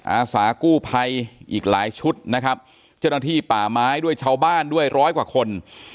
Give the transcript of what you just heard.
อาสากู้ภัยอีกหลายชุดนะครับเจ้าหน้าที่ป่าไม้ด้วยชาวบ้านด้วยร้อยกว่าคน